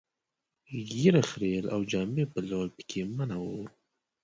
ږیره خرییل او جامې بدلول پکې منع وو.